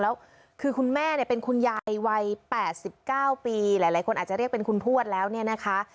แล้วคือคุณแม่เนี่ยเป็นคุณยายวัย๘๙ปีหลายคนอาจจะเรียกเป็นคุณพวดแล้วเนี่ยนะคะ